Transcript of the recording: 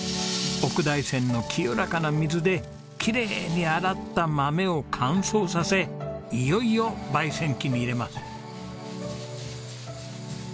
奥大山の清らかな水できれいに洗った豆を乾燥させいよいよ焙煎機に入れます。